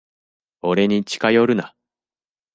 俺に近寄るな。